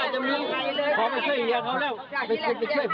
ิดครับไปค่อยเลยครับไปช่วยผมเดี๋ยวกัผมไม่ตายอีกแล้ว